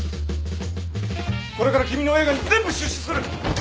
これから君の映画に全部出資する。